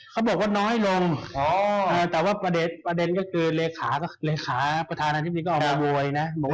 เขาบอกว่าน้อยลงแต่ว่าประเด็นก็คือเลขาประธานาธิบดีก็ออกมาโวยนะ